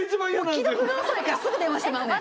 既読が遅いからすぐ電話してまうねん！